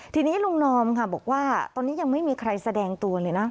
ทีนี้ลุงนอมค่ะบอกว่าตอนนี้ยังไม่มีใครแสดงตัวเลยนะ